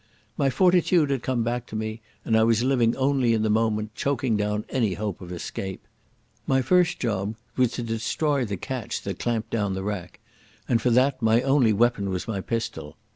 My fortitude had come back to me, and I was living only in the moment, choking down any hope of escape. My first job was to destroy the catch that clamped down the rack, and for that my only weapon was my pistol.